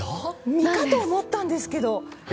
実かと思ったんですけど。